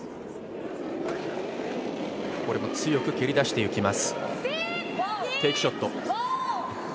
これも強く蹴り出していきます。